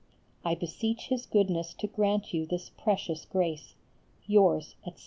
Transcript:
I beseech His Goodness to grant you this precious grace. Yours, etc.